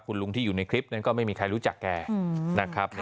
คุณลุงที่อยู่ในคลิปนั้นก็ไม่มีใครรู้จักแกนะครับ